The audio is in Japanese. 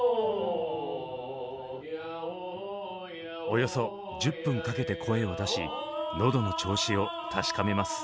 およそ１０分かけて声を出し喉の調子を確かめます。